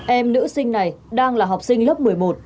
em nữ sinh này đang là học sinh lớp một mươi một